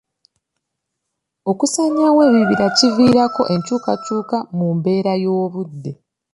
Okusaanyaawo ebibira kiviirako enkyukakyuka mu mbeera y'obudde.